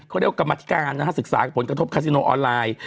เขาเรียกว่ากรรมธิการนะฮะศึกษาผลกระทบคาซิโนออนไลน์